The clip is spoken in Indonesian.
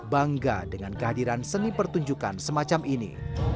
bangga dengan kehadiran seni pertunjukan semacam ini